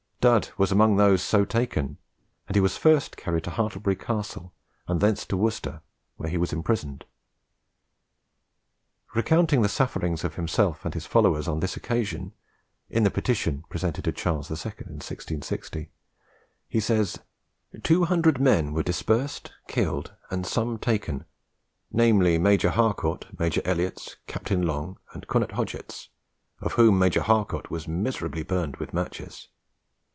Dud was among those so taken, and he was first carried to Hartlebury Castle and thence to Worcester, where he was imprisoned. Recounting the sufferings of himself and his followers on this occasion, in the petition presented to Charles II. in 1660, he says, "200 men were dispersed, killed, and some taken, namely, Major Harcourt, Major Elliotts, Capt. Long, and Cornet Hodgetts, of whom Major Harcourt was miserably burned with matches.